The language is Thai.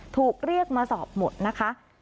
ถูกเรียกมาสอบหมดนะคะ